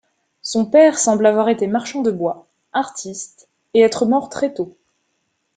Son père semble avoir été marchand de bois, artiste, et être mort très tôt.